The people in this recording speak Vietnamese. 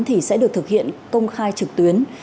thì sẽ được thực hiện công khai trực tuyến